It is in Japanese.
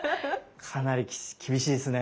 かなり厳しいですね。